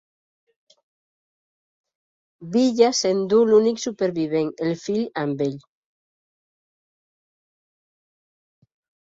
Villa s'endú l'únic supervivent, el fill, amb ell.